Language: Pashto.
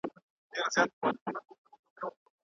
دوی وايي نور مي د ځان هوساینی وخت دی